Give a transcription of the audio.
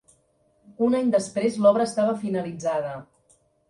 Un any després l'obra estava finalitzada.